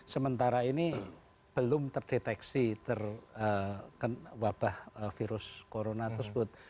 sementara ini belum terdeteksi wabah virus corona tersebut